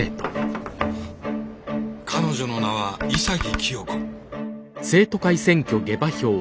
彼女の名は潔清子。